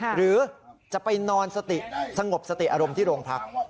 หรือจะไปนอนสงบสติอารมณ์ที่โรงพัก